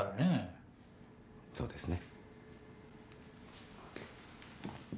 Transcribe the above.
そうですね。